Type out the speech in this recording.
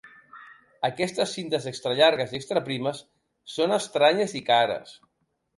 Aquestes cintes extrallargues i extraprimes són estranyes i cares.